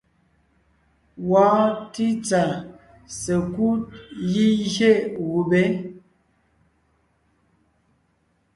Wɔɔn títsà sekúd gígié gubé.